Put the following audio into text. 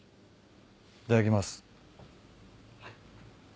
いただきます。